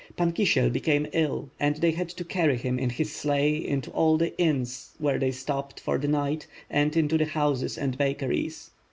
Pan Kisiel became ill and they had to carry him in his sleigh into all the inns where they stopped for the night and into the houses and bakeries.